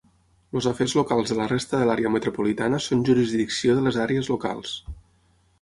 Els afers locals de la resta de l'àrea metropolitana són jurisdicció de les àrees locals.